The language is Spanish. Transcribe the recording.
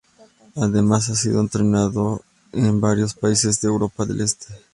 Además ha sido estrenada en varios países de Europa del este.